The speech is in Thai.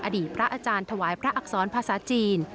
อดีตพระอาจารย์ถวายพระอักษรภาษาจีน